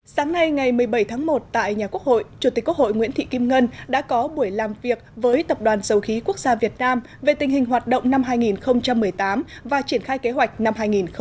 sáng nay ngày một mươi bảy tháng một tại nhà quốc hội chủ tịch quốc hội nguyễn thị kim ngân đã có buổi làm việc với tập đoàn dầu khí quốc gia việt nam về tình hình hoạt động năm hai nghìn một mươi tám và triển khai kế hoạch năm hai nghìn một mươi chín